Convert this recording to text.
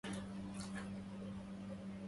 ألا غدرت بنو أعلى قديما